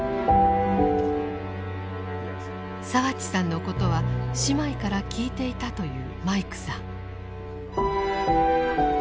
澤地さんのことは姉妹から聞いていたというマイクさん。